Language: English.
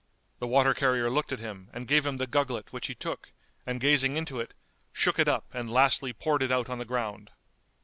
The water carrier looked at him and gave him the gugglet which he took and gazing into it, shook it up and lastly poured it out on the ground.